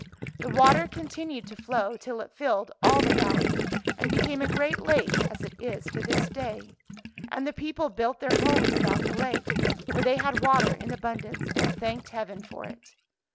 The water continued to flow till it filled all the valley, and became a great lake as it is to this day; and the people built their homes about the lake, where they had water in abundance and thanked heaven for it.